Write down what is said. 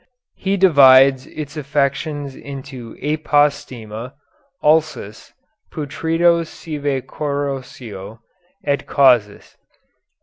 He divides its affections into apostema, ulcus, putredo sive corrosio, et casus.